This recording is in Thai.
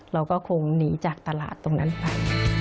เราก็คงหนีจากตลาดตรงนั้นไป